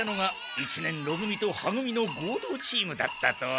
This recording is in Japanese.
一年ろ組とは組の合同チームだったとは。